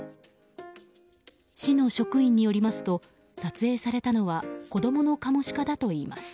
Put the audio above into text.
市の職員によりますと撮影されたのは子供のカモシカだといいます。